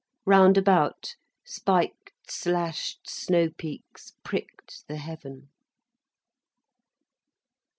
Round about, spiked, slashed snow peaks pricked the heaven.